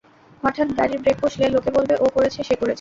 হঠাৎ গাড়ির ব্রেক কসলে, লোকে বলবে ও করেছে, সে করেছে।